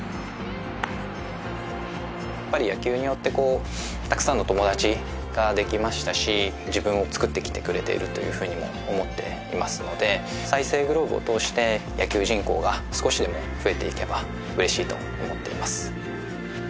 やっぱり野球によってこうたくさんの友達ができましたし自分をつくってきてくれているというふうにも思っていますので再生グローブを通して野球人口が少しでも増えていけば嬉しいと思っています